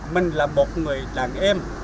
mình là một người đàn em